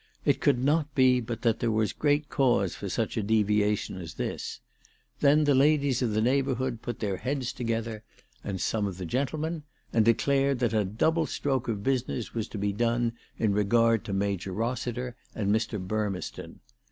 It could not be but that there was great cause for such a deviation as this. Then the ladies of the neighbourhood put their ALICE DUGDALE. 369 heads together, and some of the gentlemen, and declared that a double stroke of business was to be done in regard to Major Rossi ter and Mr. Burmeston.